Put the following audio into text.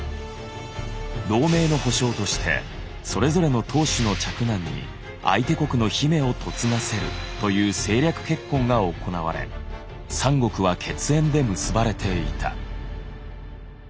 同盟の保証として「それぞれの当主の嫡男に相手国の姫を嫁がせる」という政略結婚が行われ三国は血縁で結ばれていた。